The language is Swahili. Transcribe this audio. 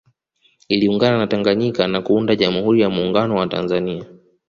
Iliungana na Tanganyika na kuunda Jamhuri ya Muungano wa Tanzania